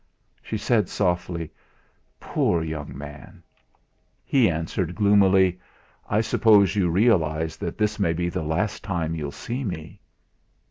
She said softly: "Poor young man!" He answered gloomily: "I suppose you realise that this may be the last time you'll see me?"